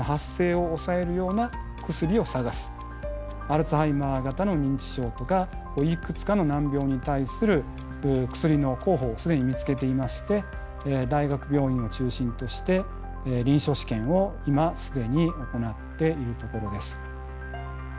アルツハイマー型の認知症とかいくつかの難病に対する薬の候補を既に見つけていまして大学病院を中心として臨床試験を今既に行っているところです。